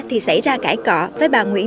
thì xảy ra cãi cọ với bà nguyễn